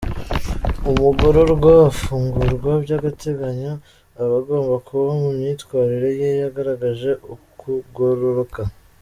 Umugororwa ufungurwa by’agateganyo, aba agomba kuba mu myitwarire ye yaragaragaje ukugororoka.